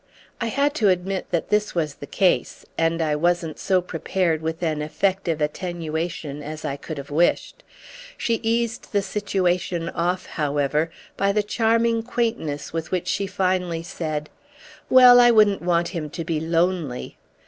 I had to admit that this was the case; and I wasn't so prepared with an effective attenuation as I could have wished. She eased the situation off, however, by the charming quaintness with which she finally said: "Well, I wouldn't want him to be lonely!"